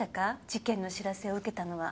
事件の知らせを受けたのは。